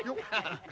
ハハハ。